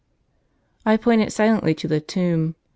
' I pointed silently to the tomb.